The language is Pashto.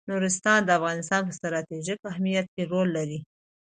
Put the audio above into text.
نورستان د افغانستان په ستراتیژیک اهمیت کې رول لري.